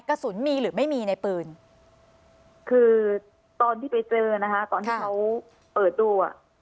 กระสุนมีหรือไม่มีในปืนคือตอนที่ไปเจอนะคะตอนที่เขาเปิดดูอ่ะ